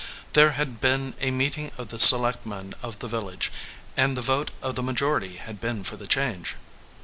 There had been a meeting of the selectmen of the village, and the vote of the majority had been for the change.